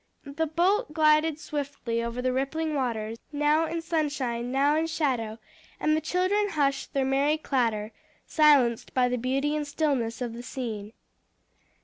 The boat glided swiftly over the rippling waters, now in sunshine, now in shadow, and the children hushed their merry clatter, silenced by the beauty and stillness of the scene.